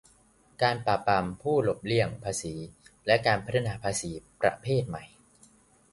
การปราบปรามผู้หลบเลี่ยงภาษี และการพัฒนาภาษีประเภทใหม่